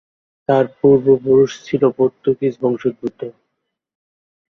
তার পূর্ব-পুরুষ ছিলেন পর্তুগীজ বংশোদ্ভূত।